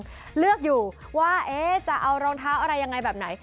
ถ้าใครยังเลือกอยู่ว่าจะเอารองเท้าอะไรแบบไหน